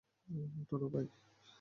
ওঠ না, ভাই।